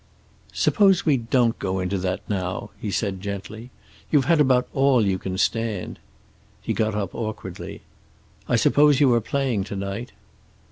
"Suppose we don't go into that now," he said gently. "You've had about all you can stand." He got up awkwardly. "I suppose you are playing to night?"